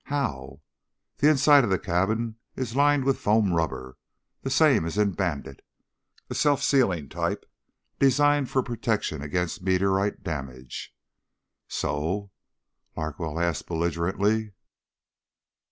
"How?" "The inside of the cabin is lined with foam rubber, the same as in Bandit a self sealing type designed for protection against meteorite damage." "So...?" Larkwell asked belligerently.